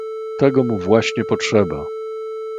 "tego mu właśnie potrzeba!"